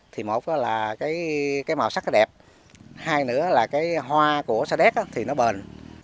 thì một là màu sắc đẹp hai nữa là hoa của sa đéc thì nó bền